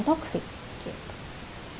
biar tidak menjadi hutan toksik